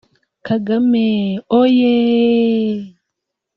Kagame oyeeeeeeeeeeeeeeeeeeeeeeeeeeeeeeeeeeeeeeeeeeeeeeeeeeeeeeeeeeeee